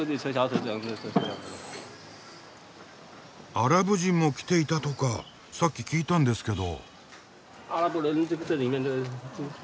アラブ人も来ていたとかさっき聞いたんですけど。